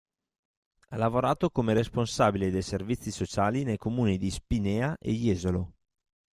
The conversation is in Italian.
Ha lavorato come responsabile dei servizi sociali nei comuni di Spinea e Jesolo.